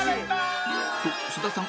［と菅田さん